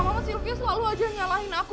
mama sylki selalu aja nyalahin aku